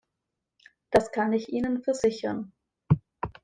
Das kann ich Ihnen versichern.